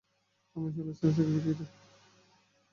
আমি আসলে sales executive.